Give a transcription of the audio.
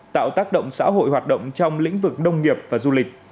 tạo tác động xã hội hoạt động trong lĩnh vực nông nghiệp và du lịch